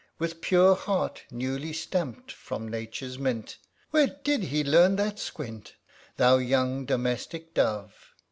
With pure heart newly stamp'd from Nature's mint ŌĆö (Where did he learn that squint ?) Thou young domestic dove